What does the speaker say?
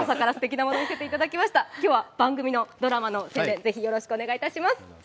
今日は番組のドラマの宣伝、ぜひよろしくお願いします。